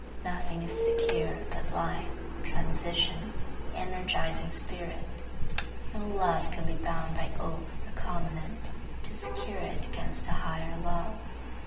Nothing is secure but life, transition, the energizing spirit. No love can be bound by oath or covenant to secure it against a higher love.